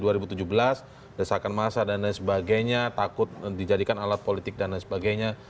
desakan masa dan lain sebagainya takut dijadikan alat politik dan lain sebagainya